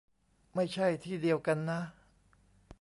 ไม่ใช่ที่เดียวกันนะ